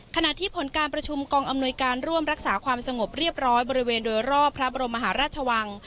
ขณะที่ผลการประชุมกองอำนวยการร่วมรักษาความสงบเรียบร้อยบริเวณโดยรอบพระบรมมหาราชวัง